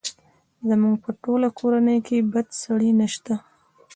زموږ په ټوله کورنۍ کې بد سړی نه شته!